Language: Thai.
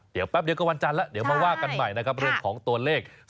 เดี๋ยวแป๊บเดียวก็วันจันทร์แล้วเดี๋ยวมาว่ากันใหม่นะครับเรื่องของตัวเลข